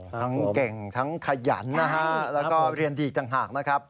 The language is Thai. ทั้งเก่งทั้งขยันแล้วก็เรียนดีจังหากนะครับ